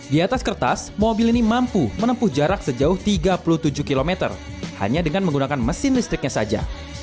di atas kertas mobil ini mampu menempuh jarak sejauh tiga puluh tujuh km hanya dengan menggunakan mesin listriknya saja